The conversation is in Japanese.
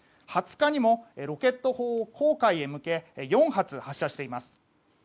２０日にもロケット砲を黄海に向け４発、発射しています。